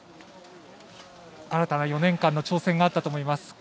新たな４年間の挑戦があったと思います。